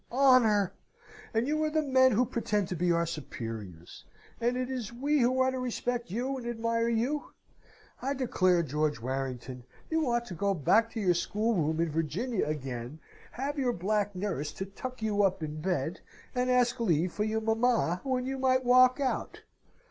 "Honour! And you are the men who pretend to be our superiors; and it is we who are to respect you and admire you! I declare, George Warrington, you ought to go back to your schoolroom in Virginia again; have your black nurse to tuck you up in bed, and ask leave from your mamma when you might walk out.